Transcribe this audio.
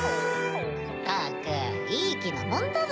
ったくいいきなもんだぜ。